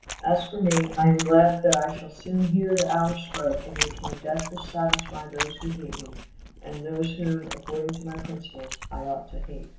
As for me, I am glad that I shall soon hear the hour strike in which my death will satisfy those who hate me, and those wham, according to my principles, I ought to hate."